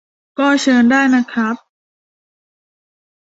ก็เชิญได้นะครับ